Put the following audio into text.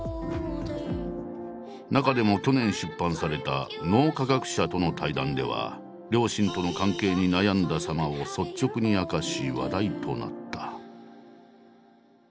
中でも去年出版された脳科学者との対談では両親との関係に悩んださまを率直に明かし話題となった。